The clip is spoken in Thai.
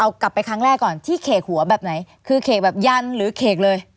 เอากลับไปครั้งแรกก่อนที่เขกหัวแบบไหนคือเขกแบบยันหรือเขกเลย